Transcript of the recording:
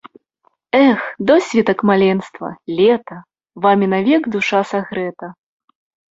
Эх, досвітак маленства, лета! Вамі навек душа сагрэта!